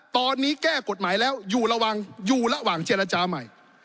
ตอนนี้แก้กฎหมายแล้วอยู่ระวังอยู่ระหว่างเจรจาใหม่